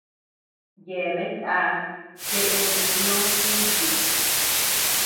Yeabea nda jeʼe nutñó juchi.